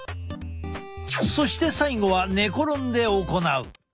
そして最後は寝転んで行う。